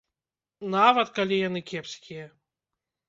Нават калі яны кепскія!